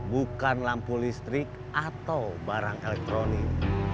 bukan lampu listrik atau barang elektronik